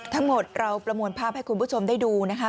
ทั้งหมดเราประมวลภาพให้คุณผู้ชมได้ดูนะคะ